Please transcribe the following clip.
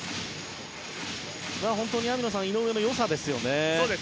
本当に網野さん井上の良さですね。